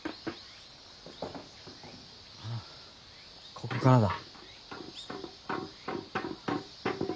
ここからだ。